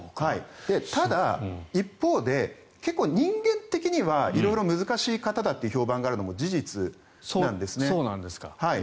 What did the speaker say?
ただ、一方で結構人間的には色々難しい方だという評判があるのも事実なんですね。